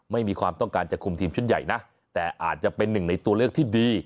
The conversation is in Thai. ไม่มีความต้องการจะคุมทีมชุดใหญ่นะแต่อาจจะเป็นหนึ่งในตัวเลือกที่ดี